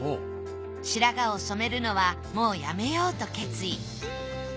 白髪を染めるのはもうやめようと決意。